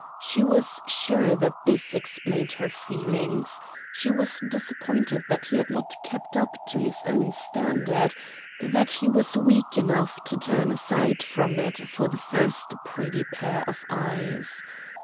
She was sure that this explained her feelings she was disappointed that he had not kept up to his own standard; that he was weak enough to turn aside from it for the first pretty pair of eyes.